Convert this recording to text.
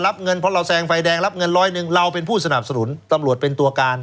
รับเงินเพราะเราแซงไฟแดงรับเงินร้อยหนึ่งเราเป็นผู้สนับสนุนตำรวจเป็นตัวการ